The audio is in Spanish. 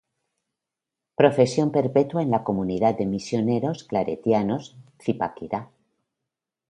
Profesión Perpetua en la Comunidad de Misioneros Claretianos, Zipaquirá.